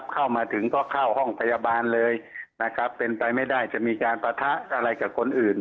เข้ามาถึงก็เข้าห้องพยาบาลเลยนะครับเป็นไปไม่ได้จะมีการปะทะอะไรกับคนอื่น